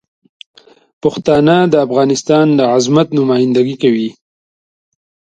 پښتانه د افغانستان د عظمت نمایندګي کوي.